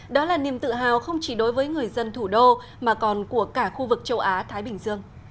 đó là niềm tự hào không chỉ đối với người dân thủ đô mà còn của cả khu vực châu á thái bình dương